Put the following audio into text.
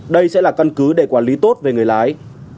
đây sẽ là căn cứ để quản lý tốt về người lái